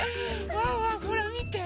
ワンワンほらみて。